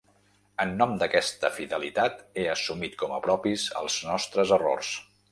En nom d’aquesta fidelitat he assumit com a propis els nostres errors.